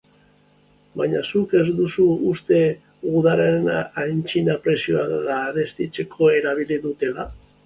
Baina zuk ez duzu uste gudaren aitzakia prezioak garestitzeko erabili dutela?